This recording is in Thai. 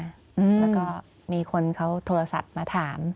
แล้วก็มีคนเขาโทรศัพท์มาถาม